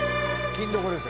『欽どこ』です。